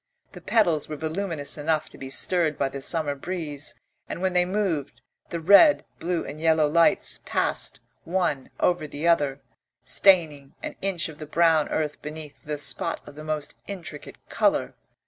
The petals were voluminous enough to be stirred by the summer breeze, and when they moved, the red, blue and yellow lights passed one over the other, staining an inch of the brown earth beneath with a spot of the most intricate colour.